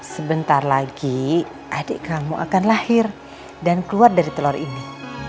sebentar lagi adik kamu akan lahir dan keluar dari telur ini